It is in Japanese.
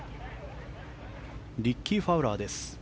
リッキー・ファウラーです。